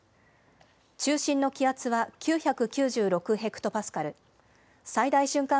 中心の気圧は９９６ヘクトパスカル、最大瞬間